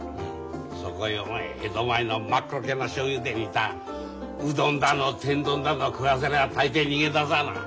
そこへお前江戸前の真っ黒けなしょうゆで煮たうどんだの天丼だの食わせりゃ大抵逃げ出さあな。